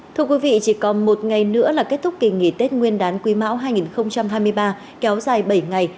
thưa quý vị chỉ còn một ngày nữa là kết thúc kỳ nghỉ tết nguyên đán quý mão hai nghìn hai mươi ba kéo dài bảy ngày